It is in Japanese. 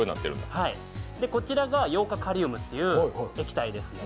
こちらがヨウ化カリウムっていう液体です。